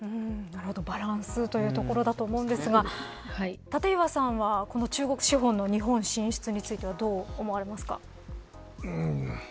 バランスというところだと思いますが立岩さんは中国資本の日本進出については、どう思われますか。